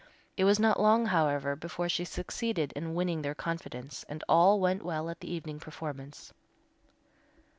It was not long, however, before she succeeded in winning their confidence, and all went well at the evening performance.